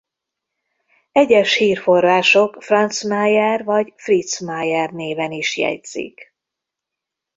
Egyes hírforrások Franz Mayer vagy Fritz Mayer néven is jegyzik.